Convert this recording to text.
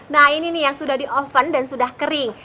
nah ini nih yang sudah di oven dan sudah kering